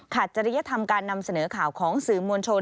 จริยธรรมการนำเสนอข่าวของสื่อมวลชน